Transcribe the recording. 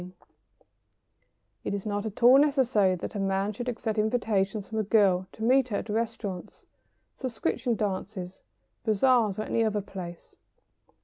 ] It is not at all necessary that a man should accept invitations from a girl to meet her at restaurants, subscription dances, bazaars, or any other place.